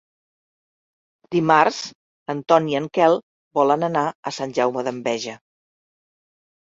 Dimarts en Ton i en Quel volen anar a Sant Jaume d'Enveja.